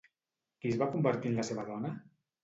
Qui es va convertir en la seva dona?